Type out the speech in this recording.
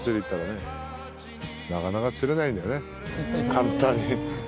簡単に。